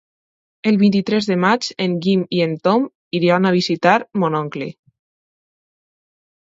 El vint-i-tres de maig en Guim i en Tom iran a visitar mon oncle.